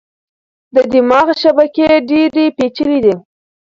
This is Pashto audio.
د دماغ شبکې ډېرې پېچلې دي.